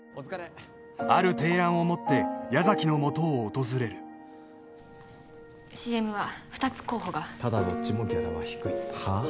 ある提案を持って矢崎のもとを訪れるＣＭは二つ候補がただどっちもギャラは低いはっ？